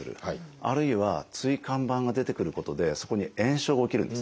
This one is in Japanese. あるいは椎間板が出てくることでそこに炎症が起きるんですね。